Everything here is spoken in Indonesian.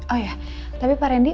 oh ya tapi pak randy